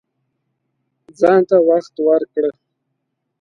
ځان ته وخت ورکړه